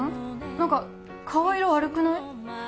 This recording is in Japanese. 何か顔色悪くない？